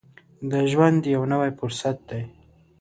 د ژوند یو نوی فرصت دی.